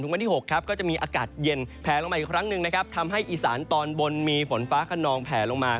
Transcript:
วันที่๖ครับก็จะมีอากาศเย็นแผลลงมาอีกครั้งหนึ่งนะครับทำให้อีสานตอนบนมีฝนฟ้าขนองแผลลงมา